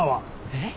えっ？